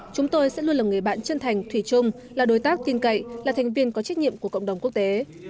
chúng tôi sẽ luôn là người bạn chân thành thủy chung là đối tác tin cậy là thành viên có trách nhiệm của cộng đồng quốc tế